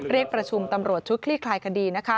เรียกประชุมตำรวจชุดคลี่คลายคดี